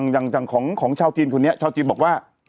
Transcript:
อย่างของชาวจีนคนนี้ชาวจีนบอกว่า